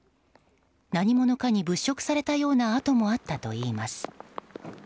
何者かに物色されたような跡もあったといいます。